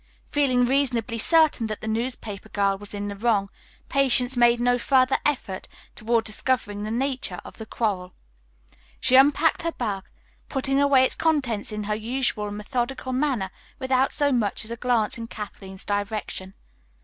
Feeling reasonably certain that the newspaper girl was in the wrong, Patience made no further effort toward discovering the nature of the quarrel. She unpacked her bag, putting away its contents in her usual methodical manner without so much as a glance in Kathleen's direction.